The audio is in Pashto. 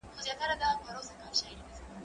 دا کالي له هغو پاک دي،